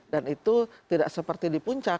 dan itu tidak seperti di puncak